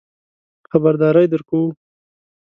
خبرداری درکوو.